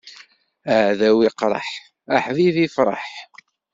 Aɛdaw iqṛeḥ, aḥbib ifṛeḥ.